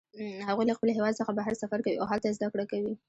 هغوی له خپل هیواد څخه بهر سفر کوي او هلته زده کړه کوي